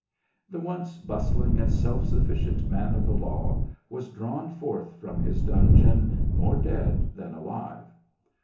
The once bustling and self suf ficient man of the law was drawn forth from his dungeon, more dead than alive.